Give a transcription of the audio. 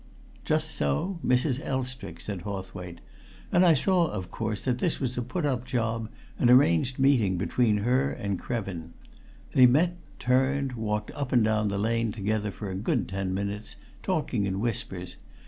"Just so Mrs. Elstrick," said Hawthwaite. "And I saw, of course, that this was a put up job, an arranged meeting between her and Krevin. They met, turned, walked up and down the lane together for a good ten minutes, talking in whispers.